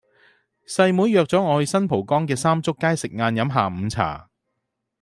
細妹約左我去新蒲崗嘅三祝街食晏飲下午茶